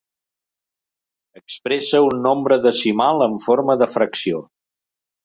Expressa un nombre decimal en forma de fracció.